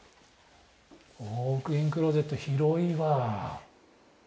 ウォークインクローゼット広いわ。